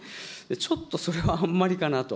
ちょっとそれはあんまりかなと。